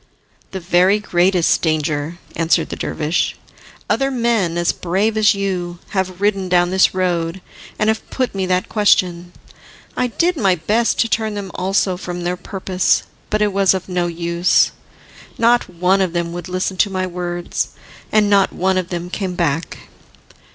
"The very greatest danger," answered the dervish. "Other men, as brave as you, have ridden down this road, and have put me that question. I did my best to turn them also from their purpose, but it was of no use. Not one of them would listen to my words, and not one of them came back.